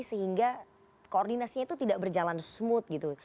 sehingga koordinasinya itu tidak berjalan smooth gitu